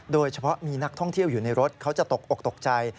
โดยเฉพาะมีนักท่องเที่ยวอยู่ในรถเขาจะตกอกตกใจ